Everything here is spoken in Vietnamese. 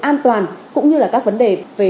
an toàn cũng như là các vấn đề về